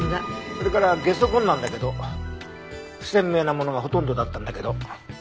それから下足痕なんだけど不鮮明なものがほとんどだったんだけど。